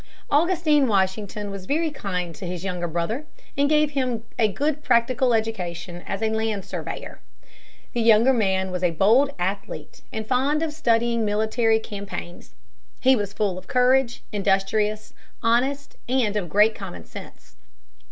Augustine Washington was very kind to his younger brother, and gave him a good practical education as a land surveyor. The younger man was a bold athlete and fond of studying military campaigns. He was full of courage, industrious, honest, and of great common sense.